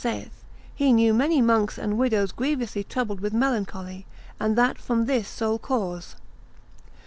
18, saith, He knew many monks and widows grievously troubled with melancholy, and that from this sole cause.